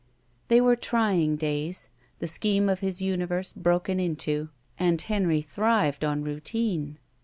They were tr3ring days, the scheme of his tmiverse broken into, and Henry thrived on routine.